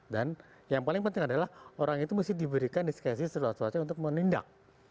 dan yang paling penting adalah orang itu mesti diberikan diskresi seolah olah untuk menindak